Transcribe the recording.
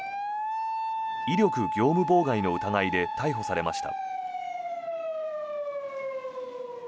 威力業務妨害の疑いで逮捕されました。